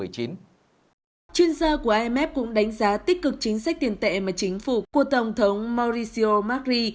chuyên gia của imf cũng đánh giá tích cực chính sách tiền tệ mà chính phủ của tổng thống mauricio macri